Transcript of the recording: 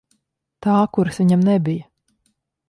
Tā, kuras viņam nebija?